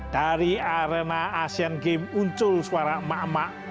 dari arena asian game muncul suara emak emak